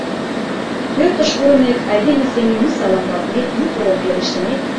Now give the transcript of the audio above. Пӧртыш пурымек, айдеме семын ни саламлалтмет, ни порын пелештымет.